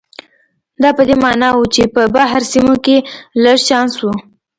دا په دې معنا و چې په بهر سیمو کې لږ چانس و.